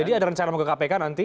jadi ada rencana mau ke kpk nanti